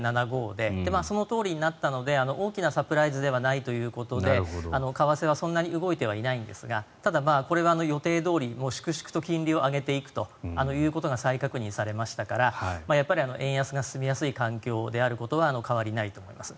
そのとおりになったので大きなサプライズではないということで為替はそんなに動いてはいないんですがただ、これは予定どおり粛々と金利を上げていくことが再確認されましたから円安が進みやすい環境であることは変わりないと思います。